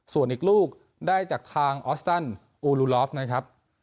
ส่วนอีกลูกได้จากทางออสตันอูลูลอฟนะครับ